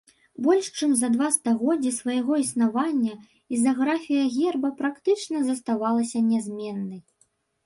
Больш чым за два стагоддзі свайго існавання ізаграфія герба практычна заставалася нязменнай.